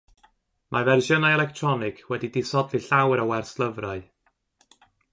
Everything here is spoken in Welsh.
Mae fersiynau electronig wedi disodli llawer o werslyfrau.